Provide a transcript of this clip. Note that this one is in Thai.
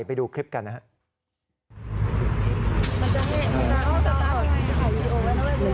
ไปดูคลิปกันนะครับ